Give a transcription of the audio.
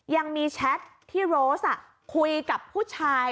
แชทที่โรสคุยกับผู้ชาย